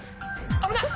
危ない。